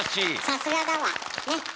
さすがだわねっ。